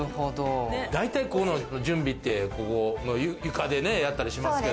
だいたい準備って、ここの床でやったりしますけど。